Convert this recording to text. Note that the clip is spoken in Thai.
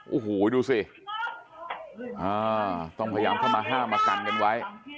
โอ้โหดูสิต้องพยายามเข้ามาห้ามมากันกันไว้